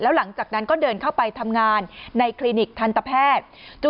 หลังจากนั้นก็เดินเข้าไปทำงานในคลินิกทันตแพทย์